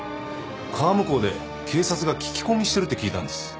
川向こうで警察が聞き込みしてるって聞いたんです。